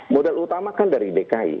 modal utama kan dari dki